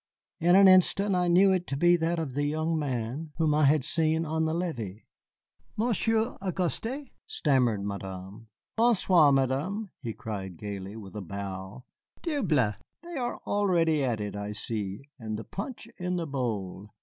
In an instant I knew it to be that of the young man whom I had seen on the levee. "Monsieur Auguste?" stammered Madame. "Bon soir, Madame," he cried gayly, with a bow; "diable, they are already at it, I see, and the punch in the bowl.